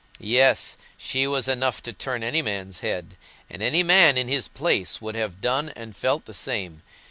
Yes! She was enough to turn any man's head: any man in his place would have done and felt the same.